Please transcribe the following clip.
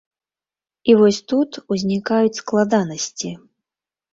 І вось тут узнікаюць складанасці.